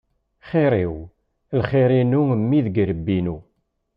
Xir-iw, lxir-inu mmi deg yirebbi-inu.